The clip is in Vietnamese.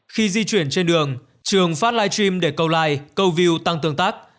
khi di chuyển trên đường trường phát live stream để câu like câu view tăng tương tác